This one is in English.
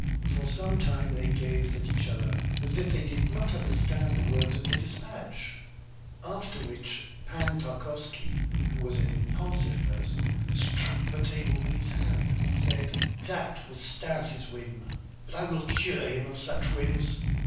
For some time they gazed at each other, as if they did not understand the words of the despatch; after which Pan Tarkowski, who was an impulsive person, struck the table with his hand and said: "That was Stas' whim, but I will cure him of such whims."